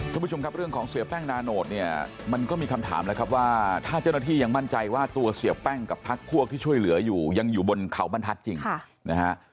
คุณผู้ชมครับเรื่องของเสียแป้งนาโนตเนี่ยมันก็มีคำถามแล้วครับว่าถ้าเจ้าหน้าที่ยังมั่นใจว่าตัวเสียแป้งกับพักพวกที่ช่วยเหลืออยู่ยังอยู่บนเขาบรรทัศน์จริงนะฮะ